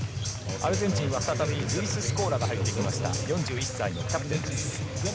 アルゼンチンは再びスコーラが入ってきました、４１歳のキャプテンです。